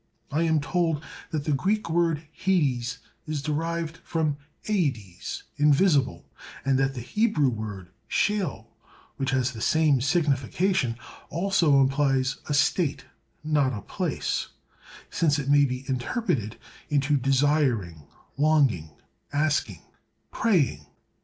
I am told that the Greek word hades is derived from æides, invisible; and that the Hebrew word scheôl, which has the same signification, also implies a state, not a place, since it may be interpreted into desiring, longing, asking, praying.